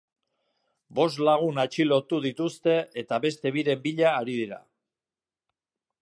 Bost lagun atxilotu dituzte eta beste biren bila ari dira.